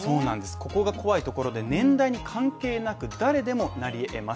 ここが怖いところで年代に関係なく誰でもなり得ます。